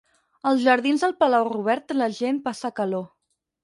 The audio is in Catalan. Als jardins del Palau Robert la gent passa calor.